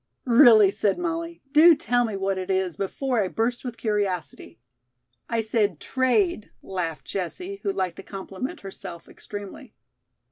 "Really," said Molly, "do tell me what it is before I burst with curiosity." "I said 'trade,'" laughed Jessie, who liked a compliment herself extremely.